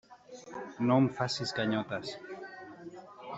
No em facis ganyotes.